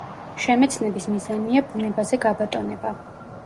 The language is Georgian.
შემეცნების მიზანია ბუნებაზე გაბატონება.